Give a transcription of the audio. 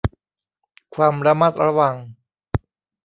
ความระมัดระวัง